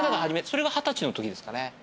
それが二十歳のときですかね。